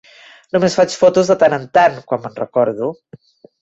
Només faig fotos de tant en tant, quan me'n recordo.